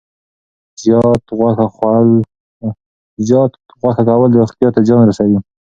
زیات غوښه کول روغتیا ته زیان رسوي.